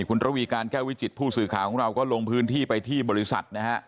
คุณระวีการแก้ววิจิตผู้สื่อข่าวของเราก็ลงพื้นที่ไปที่บริษัทนะฮะ